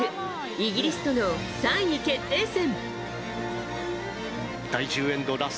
イギリスとの３位決定戦。